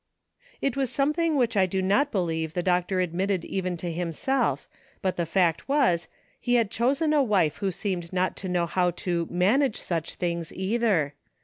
It was something which I do not believe the doctor admitted even to himself, but the fact was, he had chosen a wife who seemed not to know how to "manage such things " either.